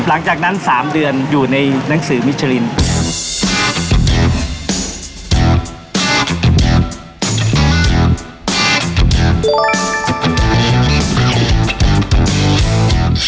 หลังจากนั้น๓เดือนอยู่ในหนังสือมิชลิน